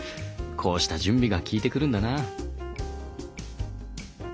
こうした準備が効いてくるんだな。